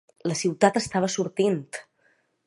La ciutat estava sortint!